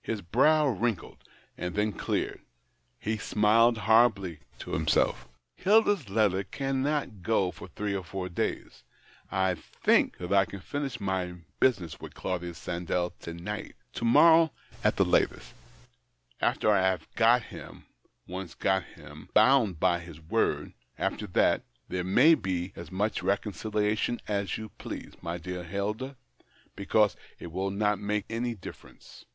His brow wrinkled, and then cleared ; he smiled horribly to himself " Hilda's letter cannot go for three or four days. I think that I can finish my business with Claudius Sandell to night, to morrow at latest. After I have got him — once got him — bound him by his word — after that, there may be as much reconciliation as you please, my dear Hilda, because it will not make any difference.